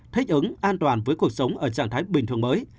thích ứng an toàn với cuộc sống ở trạng thái bình thường mới